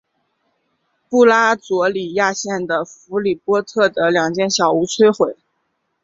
布拉佐里亚县的弗里波特的两间小屋摧毁。